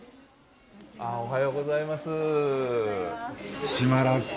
おはようございます。